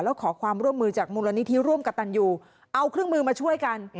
แล้วขอความร่วมมือจากมูลนิธิร่วมกับตันยูเอาเครื่องมือมาช่วยกัน